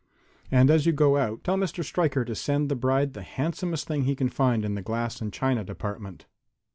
And as you go out, tell Mr. Stricker to send the bride the handsomest thing he can find in the glass and china department."